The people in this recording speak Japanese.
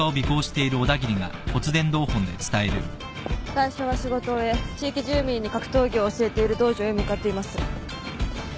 対象は仕事を終え地域住民に格闘技を教えている道場へ向かっています。